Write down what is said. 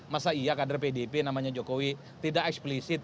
masa iya kadir pdp namanya jokowi tidak eksplisit